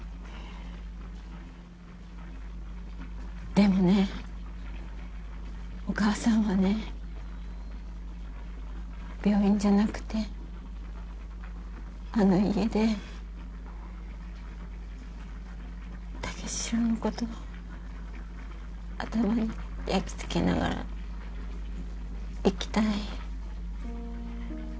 でもねお母さんはね病院じゃなくてあの家で武四郎のこと頭に焼き付けながら逝きたい。